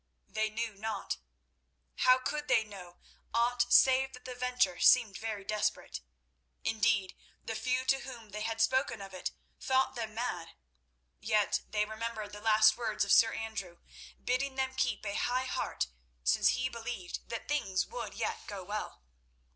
They knew not. How could they know aught save that the venture seemed very desperate? Indeed, the few to whom they had spoken of it thought them mad. Yet they remembered the last words of Sir Andrew, bidding them keep a high heart, since he believed that things would yet go well.